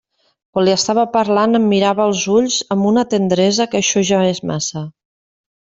Quan li estava parlant em mirava als ulls amb una tendresa que això ja és massa.